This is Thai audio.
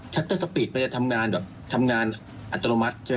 ชัตเตอร์สปีดมันจะทำงานอัตโนมัติ